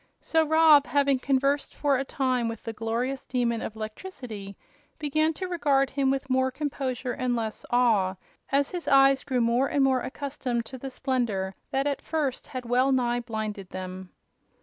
So Rob, having conversed for a time with the glorious Demon of Electricity, began to regard him with more composure and less awe, as his eyes grew more and more accustomed to the splendor that at first had well nigh blinded them.